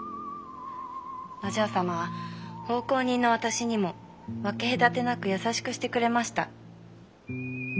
お嬢様は奉公人の私にも分け隔てなく優しくしてくれました。